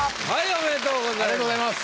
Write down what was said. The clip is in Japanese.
ありがとうございます！